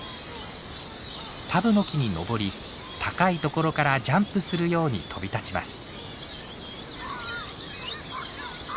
タブノキに登り高いところからジャンプするように飛び立ちます。